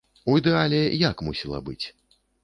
У ідэале як мусіла быць?